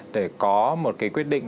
để có một cái quyết định